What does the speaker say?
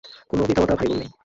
কোন পিতা-মাতা, ভাই-বোন নেই।